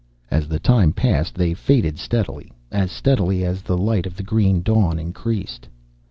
As the time passed, they faded steadily, as steadily as the light of the green dawn increased.